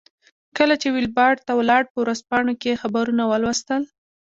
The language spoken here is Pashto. کله چې ویلباډ ته ولاړ په ورځپاڼو کې یې خبرونه ولوستل.